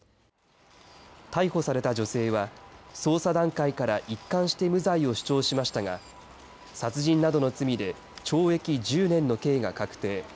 逮捕された女性は、捜査段階から一貫して無罪を主張しましたが、殺人などの罪で懲役１０年の刑が確定。